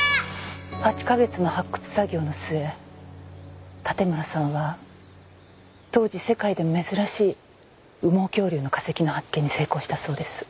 ８か月の発掘作業の末盾村さんは当時世界でも珍しい羽毛恐竜の化石の発見に成功したそうです。